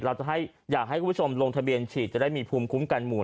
อยากให้อยากให้คุณผู้ชมลงทะเบียนฉีดจะได้มีภูมิคุ้มกันหมู่